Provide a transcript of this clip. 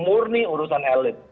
murni urusan bagaimana mempertahankan